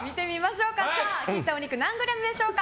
切ったお肉何グラムでしょうか。